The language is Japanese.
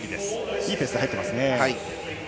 いいペースで入っています。